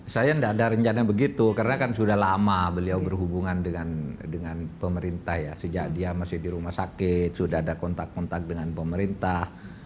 saya tidak ada rencana begitu karena kan sudah lama beliau berhubungan dengan pemerintah ya sejak dia masih di rumah sakit sudah ada kontak kontak dengan pemerintah